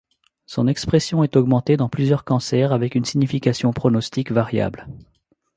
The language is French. Son expression est augmentée dans plusieurs cancers avec une signification pronostique variable.